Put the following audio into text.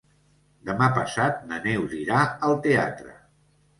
Demà passat na Neus irà al teatre.